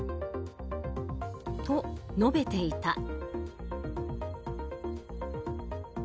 と述べていた。